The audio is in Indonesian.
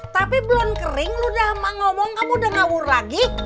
tapi belum kering lu udah ngomong kamu udah ngawur lagi